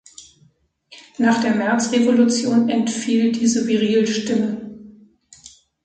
Nach der Märzrevolution entfiel diese Virilstimme.